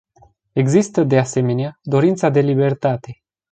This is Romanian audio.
Există, de asemenea, dorința de libertate.